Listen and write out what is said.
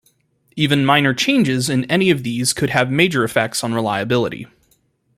Even minor changes in any of these could have major effects on reliability.